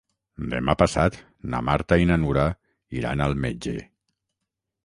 Demà passat na Marta i na Nura iran al metge.